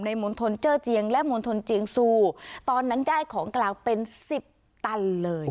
มณฑลเจอร์เจียงและมณฑลเจียงซูตอนนั้นได้ของกลางเป็นสิบตันเลย